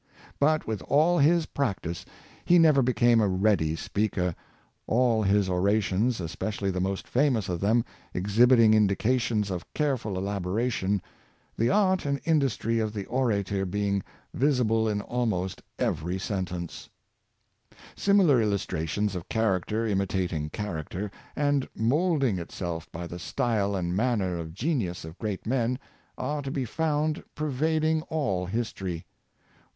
But with all his practice, he never be came a ready speaker; all his orations, especially the most famous of them, exhibiting indications of careful elaboration — the art and industry of the orator being visible in almost every sentence. Haydn and Por pora. 141 Similar illustrations of character imitating character, and moulding itself by the style and manner and genius of great men, are to be found prevading all history.